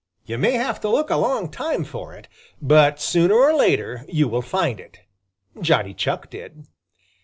You may have to look a long time for it, but sooner or later you will find it. Johnny Chuck did.